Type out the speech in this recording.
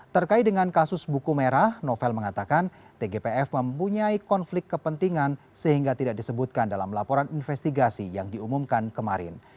terkait dengan kasus buku merah novel mengatakan tgpf mempunyai konflik kepentingan sehingga tidak disebutkan dalam laporan investigasi yang diumumkan kemarin